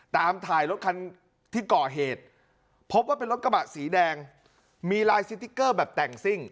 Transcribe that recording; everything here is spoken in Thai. ตามถ่ายรถคันที่ก่อเหตุพบว่าเป็นรถกระบะสีแดงมีลายสติ๊กเกอร์แบบแต่งซิ่ง